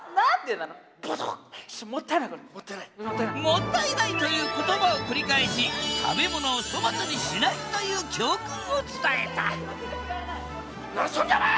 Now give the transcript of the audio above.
「もったいない」という言葉を繰り返し「食べ物を粗末にしない」という教訓を伝えた何しとんじゃお前！